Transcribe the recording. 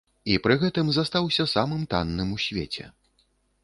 І пры гэтым застаўся самым танным у свеце.